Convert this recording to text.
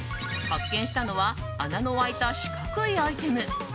発見したのは穴の開いた四角いアイテム。